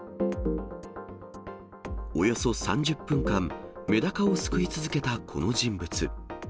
およそ３０分間、めだかをすくい続けたこの人物。